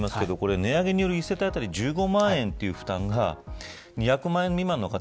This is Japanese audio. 残ると言いますが値上げによる１世帯当たり１５万円という負担が２００万円未満の方